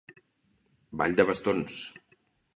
Ball de bastons.